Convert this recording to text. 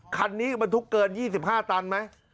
คันนี้บรรทุกเกิน๒๕ตันไหม